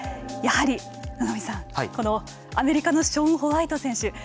やはり野上さんこのアメリカのショーン・ホワイト選手。